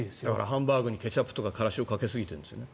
ハンバーグにケチャップとかからしをかけ過ぎているんですよね。